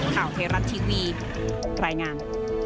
ข่าวไทยรัตน์ทีวีปลายงาน